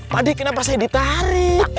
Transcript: pak deh kenapa saya ditarik